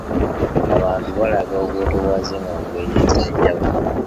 Abantu balaga obwetowaze mu ngeri ez'enjawulo